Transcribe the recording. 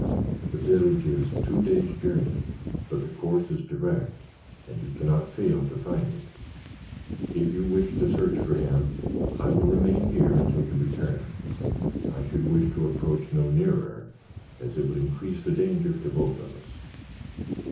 The village is two days' journey, but the course is direct, and you cannot fail to find it. If you wish to search for him, I will remain here until you return. I should wish to approach no nearer, as it would increase the danger to both of us.